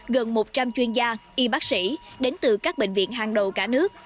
gần một trăm linh chuyên gia y bác sĩ đến từ các bệnh viện hàng đầu cả nước